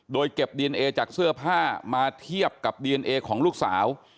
โดยเก็บดีเอนเอจากเสื้อผ้ามาเทียบกับดีเอนเอของลูกสาว